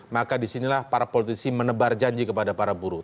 maka disinilah para politisi menebar janji kepada para buruh